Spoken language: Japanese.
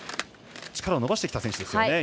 力を伸ばしてきた選手です。